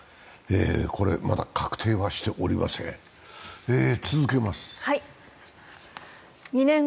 まだ確定はしておりません。